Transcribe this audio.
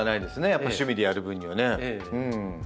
やっぱ趣味でやる分にはね。